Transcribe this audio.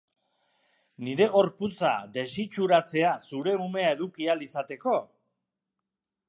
Nire gorputza desitxuratzea zure umea eduki ahal izateko?